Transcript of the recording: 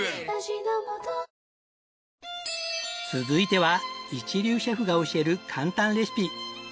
続いては一流シェフが教える簡単レシピ。